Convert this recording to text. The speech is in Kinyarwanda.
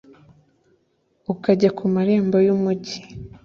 ukajya ku marembo y'umugi